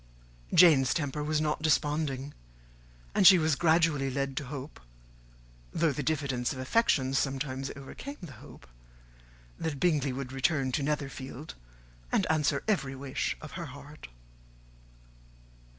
Jane's temper was not desponding; and she was gradually led to hope, though the diffidence of affection sometimes overcame the hope, that Bingley would return to Netherfield, and answer every wish of her heart.